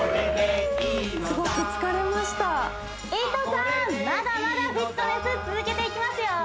すごく疲れましたいとさーんまだまだフィットネス続けていきますよ